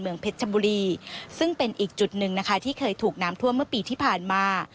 เพชรชบุรีซึ่งเป็นอีกจุดหนึ่งนะคะที่เคยถูกน้ำท่วมเมื่อปีที่ผ่านมา